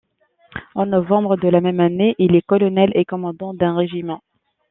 En novembre de la même année, il est Colonel et commandant d'un régiment.